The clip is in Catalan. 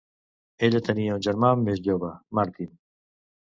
Ella tenia un germà més jove, Martin.